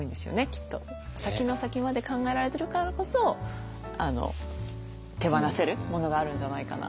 先の先まで考えられてるからこそ手放せるものがあるんじゃないかな。